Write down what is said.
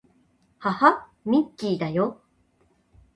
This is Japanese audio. はは、ミッキーだよ